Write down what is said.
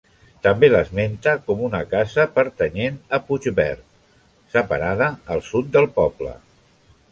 També l'esmenta com una casa pertanyent a Puigverd, separada al sud del poble.